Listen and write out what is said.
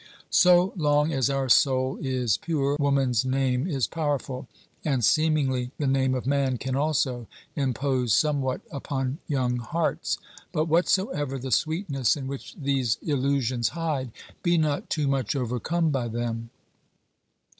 So long as our soul is pure woman's name is powerful, and seemingly the name of man can also impose somewhat upon young hearts ; but whatsoever the sweetness in which these illusions hide, be not too much overcome by them.